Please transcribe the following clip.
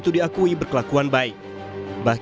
berita terkini mengenai penyelidikan kasus pembunuhan vina dan eki